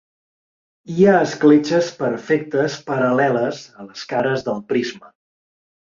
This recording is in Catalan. Hi ha escletxes perfectes paral·leles a les cares del prisma.